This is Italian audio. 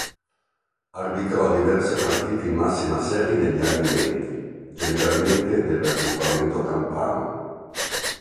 Arbitrò diverse partite in massima serie negli anni venti, generalmente nel raggruppamento campano.